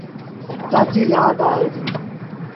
تآجيٚ يآد آئي دي۔